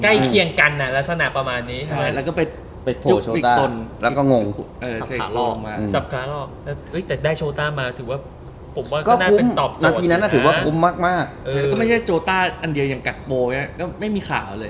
ใกล้เคียงกันอะลักษณะประมาณนี้